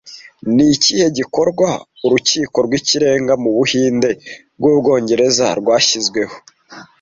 Ni ikihe gikorwa Urukiko rw'Ikirenga mu Buhinde bw’Ubwongereza rwashyizweho